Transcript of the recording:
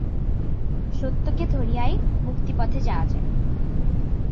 সত্যকে ধরিয়াই মুক্তিপথে যাওয়া যায়।